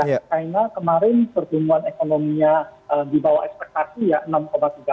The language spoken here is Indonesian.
karena kemarin pertumbuhan ekonominya dibawah ekspektasi ya